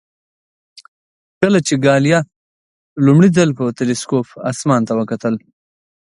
کله چې ګالیله لومړی ځل په تلسکوپ اسمان ته وکتل.